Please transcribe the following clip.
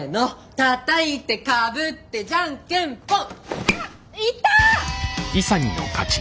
たたいてかぶってじゃんけんぽん！